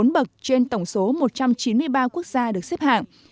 bốn bậc trên tổng số một trăm chín mươi ba quốc gia được xếp hạng